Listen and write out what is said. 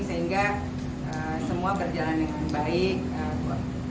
sehingga semua berjalan dengan baik